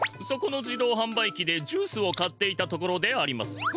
そこの自動販売機でジュースを買っていたところであります。